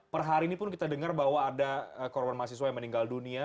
per hari ini pun kita dengar bahwa ada korban mahasiswa yang meninggal dunia